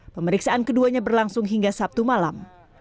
pemeriksaan keduanya berlangsung hingga sabtu malam